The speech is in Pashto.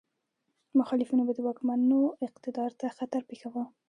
مخالفینو به د واکمنو اقتدار ته خطر پېښاوه.